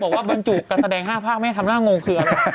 พอบอกว่าบรรจุกกับแสดงห้าภาคไม่ให้ทำหน้างงเกลือเลย